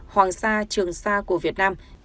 hoàng sa trường sa của việt nam